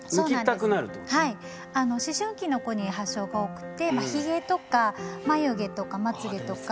はい思春期の子に発症が多くってひげとか眉毛とかまつげとか。